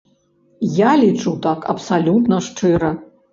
Я лічу так абсалютна шчыра.